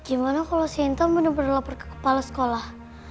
gimana kalau si antam bener bener lapor ke kepala sekolah